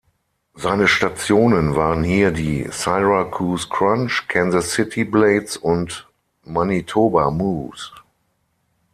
Seine Stationen waren hier die Syracuse Crunch, Kansas City Blades und Manitoba Moose.